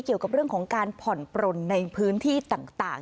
เกี่ยวกับเรื่องของการผ่อนปลนในพื้นที่ต่าง